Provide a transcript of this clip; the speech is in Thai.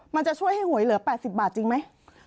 มันจะช่วยให้หวยเหลือแปดสิบบาทจริงหรือไม่